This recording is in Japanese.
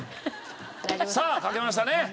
さあ書けましたね。